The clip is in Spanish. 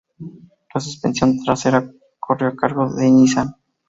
La suspensión trasera corrió a cargo de Nissan.